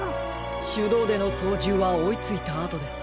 しゅどうでのそうじゅうはおいついたあとです。